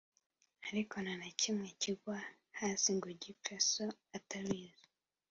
Ariko nta na kimwe kigwa hasi ngo gipfe So atabizi